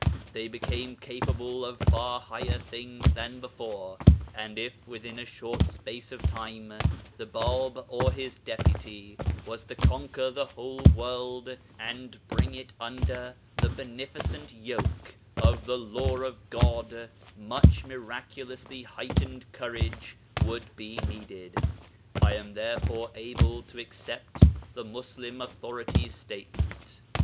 They became capable of far higher things than before, and if within a short space of time the Bāb, or his Deputy, was to conquer the whole world and bring it under the beneficent yoke of the Law of God, much miraculously heightened courage would be needed. I am therefore able to accept the Muslim authority's statement.